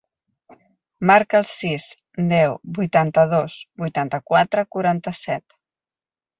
Marca el sis, deu, vuitanta-dos, vuitanta-quatre, quaranta-set.